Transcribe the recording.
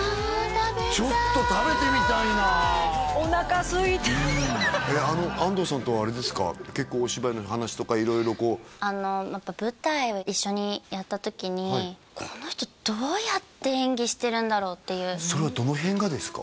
食べたいちょっと食べてみたいなおなかすいたうん安藤さんとはあれですか結構お芝居の話とか色々こうあの舞台を一緒にやった時にこの人どうやって演技してるんだろうっていうそれはどの辺がですか？